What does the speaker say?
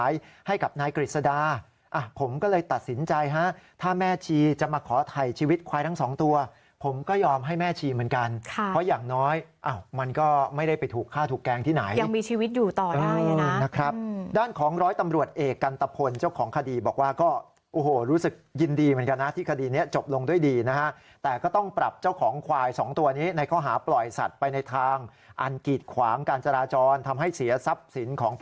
อย่างน้อยเอ้ามันก็ไม่ได้ไปถูกฆ่าถูกแกล้งที่ไหนยังมีชีวิตดูต่อได้นะด้านของร้อยตำรวจเอกกัณฑพนธ์เจ้าของคดีบอกว่าก็โอ้โหรู้สึกยินดีเหมือนกันน่ะที่คดีเนี่ยจบลงด้วยดีแต่ก็ต้องปรับเจ้าของควายสองตัวนี้ในข้อหาปล่อยสัตว์ไปในทางอันกีศขวามกันจราจรทำให้เสียซับสิ